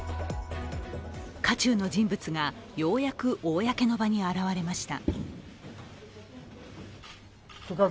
渦中の人物が、ようやく公の場に現れました。